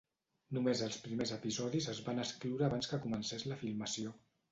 Només els primers episodis es van escriure abans que comencés la filmació.